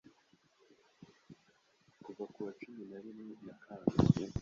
kuva kuwa cumi narimwe Nyakanga